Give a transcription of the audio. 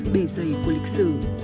bề dày của lịch sử